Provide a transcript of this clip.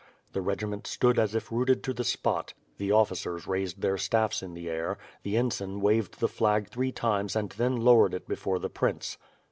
The regiment stood as if rooted to the spot; the officers raised their staffs in the air; the ensign waved the flag three times and then lowered it before the prince.